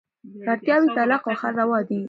که اړتیا وي، طلاق او خلع روا دي.